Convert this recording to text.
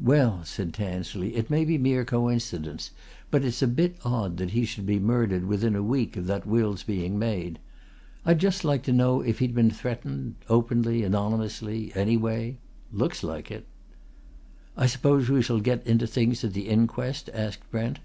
"Well," said Tansley, "it may be mere coincidence, but it's a bit odd that he should be murdered within a week of that will's being made. I'd just like to know if he'd been threatened openly, anonymously, any way. Looks like it." "I suppose we shall get into things at the inquest?" asked Brent.